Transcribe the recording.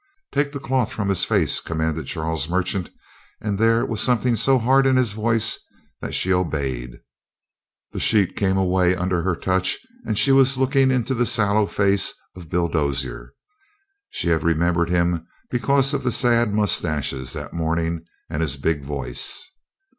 "Take the cloth from his face," commanded Charles Merchant, and there was something so hard in his voice that she obeyed. The sheet came away under her touch, and she was looking into the sallow face of Bill Dozier. She had remembered him because of the sad mustaches, that morning, and his big voice.